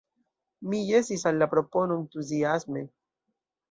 Mi jesis al la propono entuziasme.